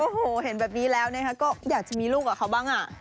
โอ้โหเห็นแบบนี้แล้วก็อยากจะมีลูกกับเขาบ้างอ่ะ